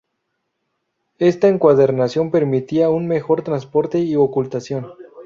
Esta encuadernación permitía un mejor transporte y ocultación.